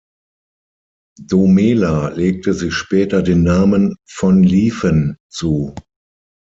Domela legte sich später den Namen „von Liven“ zu.